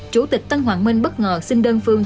chủ tịch tân hoàng minh bất ngờ xin đơn phương